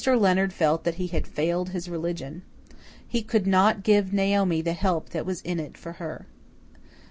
Leonard felt that he had failed his religion. He could not give Naomi the help that was in it for her.